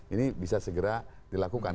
ini bisa segera dilakukan